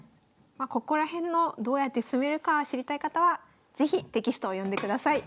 ここら辺のどうやって進めるか知りたい方は是非テキストを読んでください。